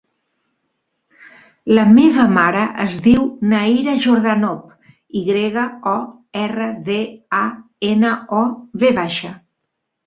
La meva mare es diu Naira Yordanov: i grega, o, erra, de, a, ena, o, ve baixa.